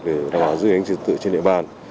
để đảm bảo an ninh trực tự trên địa bàn